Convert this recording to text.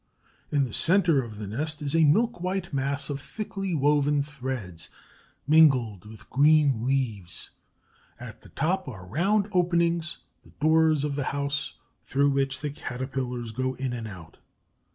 In the center of the nest is a milk white mass of thickly woven threads mingled with green leaves. At the top are round openings, the doors of the house, through which the Caterpillars go in and out.